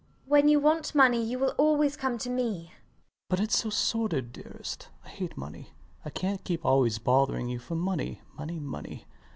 MRS DUBEDAT. When you want money, you will always come to me. LOUIS. But it's so sordid, dearest. I hate money. I cant keep always bothering you for money, money, money.